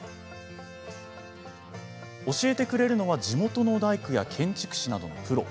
教えてくれるのは地元の大工や建築士などのプロ。